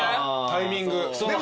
タイミング。